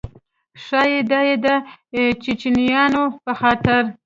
ښایي دا یې د چیچنیایانو په خاطر.